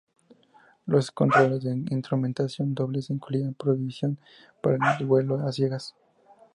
Los controles e instrumentación dobles incluían provisión para el vuelo a ciegas.